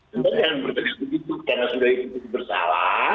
jangan bertegas begitu karena sudah itu bersalah